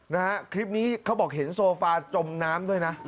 นะฮะคลิปนี้เขาบอกเห็นโซฟาจมน้ำด้วยนะ